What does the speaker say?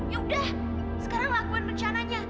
ya udah sekarang lakukan rencananya